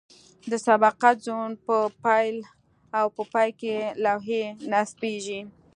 د سبقت زون په پیل او پای کې لوحې نصبیږي